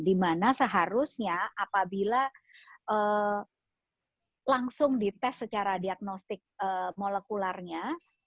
dimana seharusnya apabila langsung dites secara diagnostik molekulernya